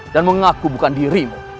dan mengaku bukan dirimu